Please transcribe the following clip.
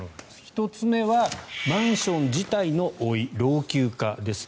１つ目はマンション自体の老い老朽化です。